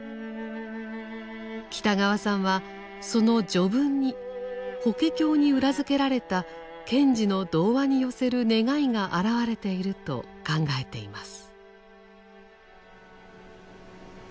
北川さんはその序文に「法華経」に裏付けられた賢治の童話に寄せる願いがあらわれていると考えています。